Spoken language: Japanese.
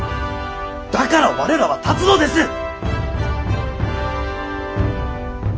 だから我らは立つのです！